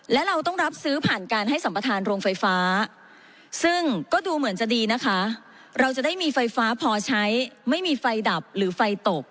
และเราต้องรับซื้อผ่านการให้สัมประธานโรงไฟฟ้า